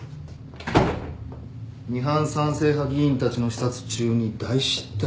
ミハン賛成派議員たちの視察中に大失態だよ。